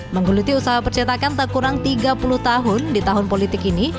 menggeluti usaha percetakan tak kurang tiga puluh tahun di tahun politik ini